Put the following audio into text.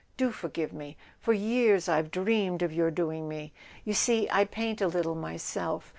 "Do forgive me ! For years I've dreamed of your doing me ... you see, I paint a little myself.